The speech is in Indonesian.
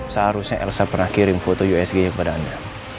seharusnya elsa pernah kirim foto usg kepada anda